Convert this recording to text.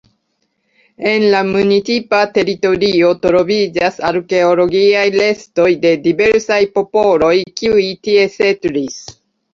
En la municipa teritorio troviĝas arkeologiaj restoj de diversaj popoloj kiuj tie setlis.